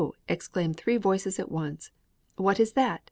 exclaimed three voices at once; "what is that?